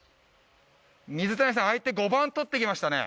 水谷さん相手５番取って来ましたね。